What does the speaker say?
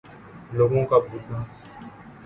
لوگوں کا بھولنا